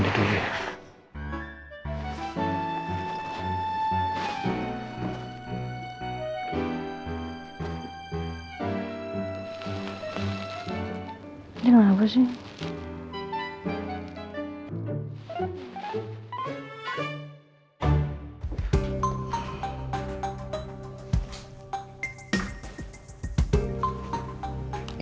dia kenapa sih